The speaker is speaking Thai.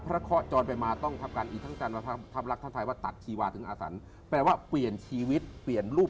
สรุปว่ามีขาวว่ามั่นหมายถึงว่าหนูทั้งคู่